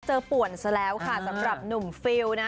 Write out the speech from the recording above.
ป่วนซะแล้วค่ะสำหรับหนุ่มฟิลนะ